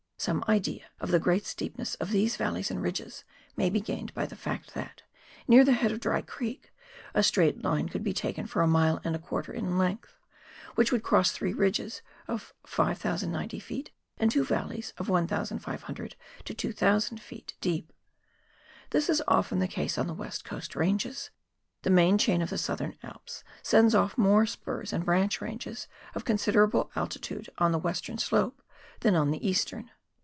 Some idea of the great steepness of these valleys and ridges may be gained by the fact that, near the head of Dry Creek, a straight line could be taken for a mile and a quarter in length, which would cross three ridges of 5,090 ft., and two valleys 1,500 to 2,000 ft. deep. This is often the case on the West Coast ranges. The main chain of the Southern Alps sends off more spurs and branch ranges of considerable altitude on the western slopes than on the eastern.